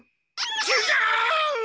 ちがう！